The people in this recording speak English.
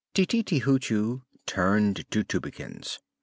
Tititi Hoochoo turned to Tubekins.